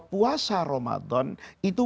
puasa ramadan itu